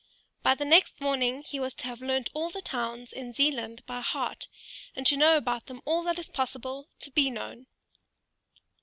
By the next morning he was to have learnt all the towns in Zealand by heart, and to know about them all that is possible to be known.